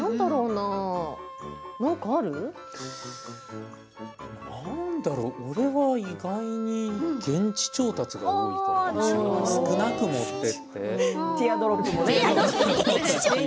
なんだろう、俺は意外に現地調達が多いかもしれない。